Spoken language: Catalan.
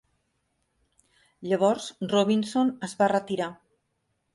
Llavors, Robinson es va retirar.